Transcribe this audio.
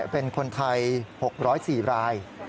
เป็นคนไทย๖๐๔ราย